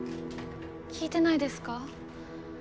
聞いてないですか？